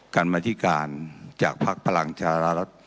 กรรมธิการจากภักดิ์พลังชารัฐ